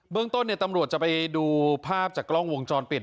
เบื้องต้นตามรวจจะไปดูภาพจากกล้องวงจรปิด